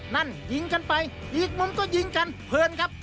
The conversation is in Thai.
นั่นยิงกันไปอีกมุมก็ยิงกันเพลินครับ